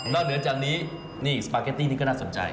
เหนือจากนี้นี่สปาเกตตี้นี่ก็น่าสนใจ